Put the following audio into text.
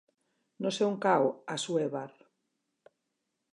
No sé on cau Assuévar.